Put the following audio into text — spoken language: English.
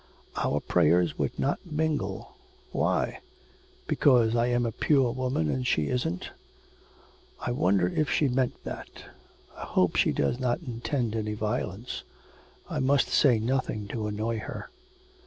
'Our prayers would not mingle. Why? Because I'm a pure woman, and she isn't. I wonder if she meant that. I hope she does not intend any violence. I must say nothing to annoy, her.'